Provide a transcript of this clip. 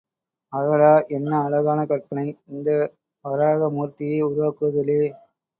அடடா, என்ன அழகான கற்பனை, இந்த வராக மூர்த்தியை உருவாக்குவதிலே!